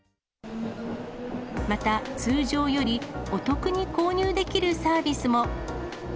また通常よりお得に購入できるサービスも。